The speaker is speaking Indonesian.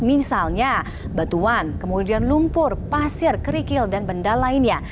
misalnya batuan kemudian lumpur pasir kerikil dan benda lainnya